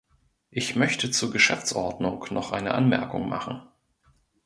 Ich möchte zur Geschäftsordnung noch eine Anmerkung machen.